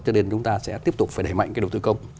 cho nên chúng ta sẽ tiếp tục phải đẩy mạnh cái đầu tư công